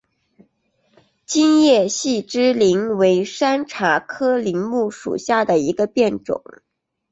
金叶细枝柃为山茶科柃木属下的一个变种。